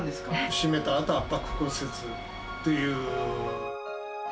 閉めたあと、圧迫骨折という。